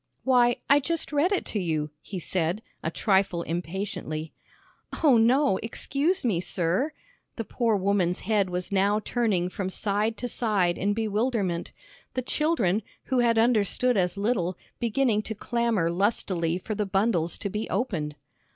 "Why, I just read it to you," he said, a trifle impatiently. "Oh, no, excuse me, sir." The poor woman's head was now turning from side to side in bewilderment; the children, who had understood as little, beginning to clamor lustily for the bundles to be opened.